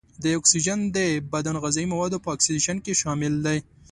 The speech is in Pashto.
دا اکسیجن د بدن غذايي موادو په اکسیدیشن کې شامل دی.